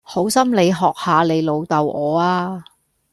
好心你學下你老豆我呀